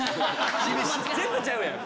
全部ちゃうやん。